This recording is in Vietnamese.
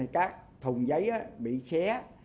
các thùng giấy bị xé